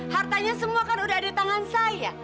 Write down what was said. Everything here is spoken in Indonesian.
hartanya semua kan udah ada di tangan saya